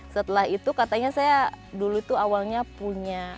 setelah itu katanya saya dulu tuh awalnya punya